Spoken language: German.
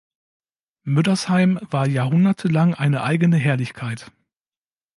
Müddersheim war jahrhundertelang eine eigene Herrlichkeit.